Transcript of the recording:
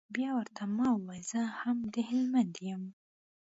بيا ورته ما وويل زه هم د هلمند يم.